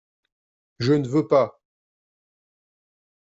Je ne veux pas !…